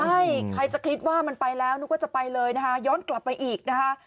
ใช่ใครจะคิดว่ามันไปแล้วนึกว่าจะไปเลยนะคะย้อนกลับไปอีกนะคะ